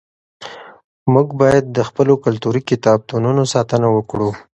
موږ باید د خپلو کلتوري کتابتونونو ساتنه وکړو.